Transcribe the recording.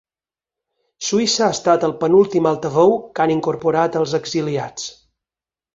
Suïssa ha estat el penúltim altaveu que han incorporat els exiliats.